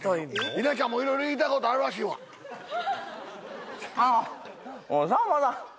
稲ちゃんもいろいろ言いたいことあるらしいわあのさんまさん